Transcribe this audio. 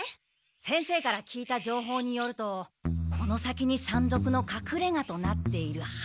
先生から聞いた情報によるとこの先に山賊のかくれがとなっている廃寺があるそうだ。